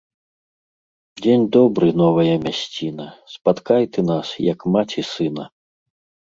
Дзень добры, новая мясціна! Спаткай ты нас, як маці сына